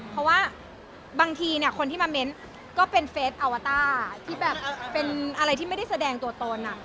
เพราะว่าบางทีคนที่มาเม้นก็เป็นเฟสอวาต้าที่แบบเป็นอะไรที่ไม่ได้แสดงตัวตน